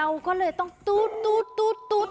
มันเป็นไหมอันนี้